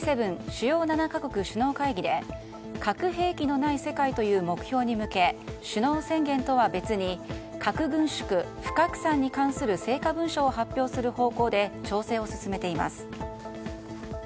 主要７か国首脳会議で核兵器のない世界という目標に向け首脳宣言とは別に核軍縮・不拡散に関する成果文書を発表する方向で調整を進めています。